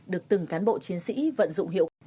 được từng cán bộ chiến sĩ vận dụng hiệu quả